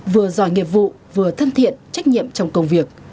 vừa giỏi nghiệp vụ vừa thân thiện trách nhiệm trong công việc